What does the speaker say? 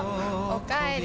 おかえり。